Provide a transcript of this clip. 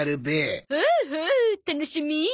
ほうほう楽しみ！